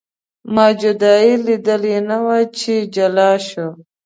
ما جدایي لیدلې نه وه چې جلا شو.